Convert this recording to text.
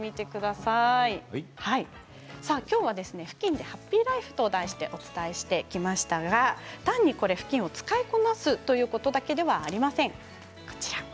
今日はふきんでハッピーライフと題してお伝えしてきましたが単にふきんを使いこなすというだけではありません。